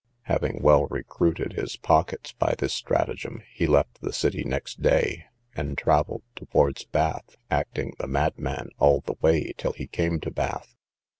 Having well recruited his pockets by this stratagem, he left the city next day, and travelled towards Bath, acting the madman all the way till he came to Bath.